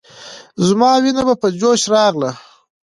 زما وينه به په جوش راغله.